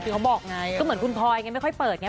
ก็เหมือนคุณพลอยไงไม่ค่อยเปิดไง